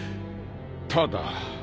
ただ。